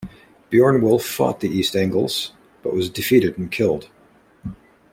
Beornwulf fought the East Angles, but was defeated and killed.